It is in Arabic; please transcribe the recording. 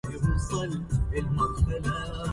إن غاب من أحببته عن مجلسي